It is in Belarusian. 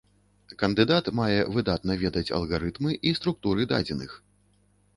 Кандыдат мае выдатна ведаць алгарытмы і структуры дадзеных.